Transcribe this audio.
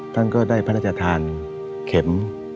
ท่านก็ได้พระราชทานเข็ม